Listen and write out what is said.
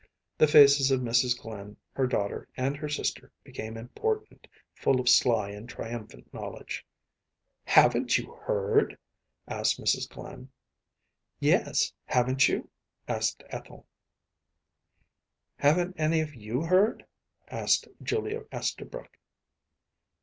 The faces of Mrs. Glynn, her daughter, and her sister became important, full of sly and triumphant knowledge. “Haven’t you heard?‚ÄĚ asked Mrs. Glynn. “Yes, haven’t you?‚ÄĚ asked Ethel. “Haven’t any of you heard?‚ÄĚ asked Julia Esterbrook.